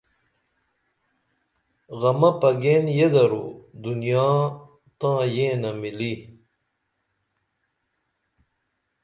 غمہ پگیئن یدرو دنیا تاں یینہ مِلی